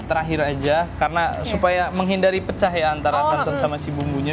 terakhir aja karena supaya menghindari pecah ya antara santan sama si bumbunya